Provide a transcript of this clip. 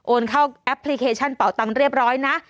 เข้าแอปพลิเคชันเป่าตังค์เรียบร้อยนะ